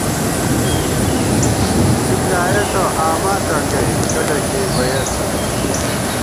کی بۡلیایَہ تہ آما تنگَئ کڈہ کېئ بَیېر څلوت